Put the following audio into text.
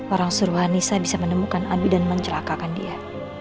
orang suruhan nisa bisa menemukan abi dan mencelakakan dia